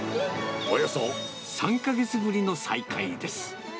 およそ３か月ぶりの再会です。